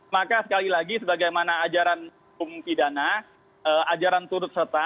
maka sekali lagi sebagaimana ajaran pengpidana ajaran turut serta